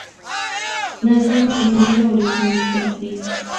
Nació en Belo Horizonte, Brasil.